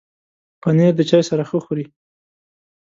پنېر د چای سره ښه خوري.